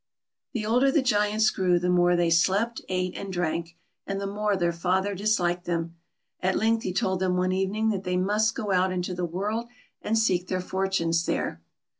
The older the Giants grew, the more they slept, ate, and drank, and the more their father disliked them. At length he told them one evening that they must go out into the world and seek their fortunes there.